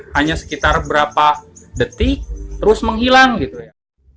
hanya sekitar berapa detik terus menghilang gitu ya